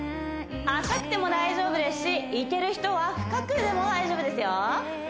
浅くても大丈夫ですしいける人は深くても大丈夫ですよ